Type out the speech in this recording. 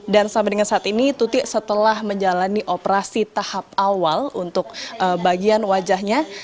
dan sampai dengan saat ini tutik setelah menjalani operasi tahap awal untuk bagian wajahnya